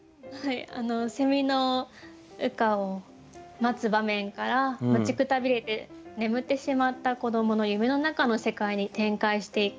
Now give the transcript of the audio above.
の羽化を待つ場面から待ちくたびれて眠ってしまった子どもの夢のなかの世界に展開していく。